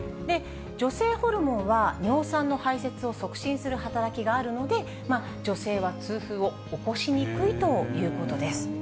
女性ホルモンは、尿酸の排せつを促進する働きがあるので、女性は痛風を起こしにくいということです。